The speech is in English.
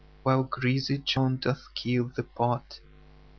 While greasy Joan doth keel the pot.